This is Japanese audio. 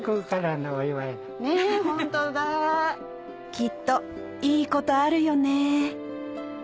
きっといいことあるよね